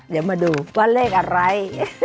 เดี๋ยวมาดูว่าเลขอะไร